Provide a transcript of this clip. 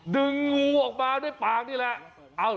ดึงงูออกมาด้วยปากนี่แหละ